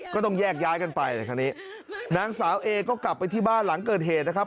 ก็ต้องแยกย้ายกันไปในคราวนี้นางสาวเอก็กลับไปที่บ้านหลังเกิดเหตุนะครับ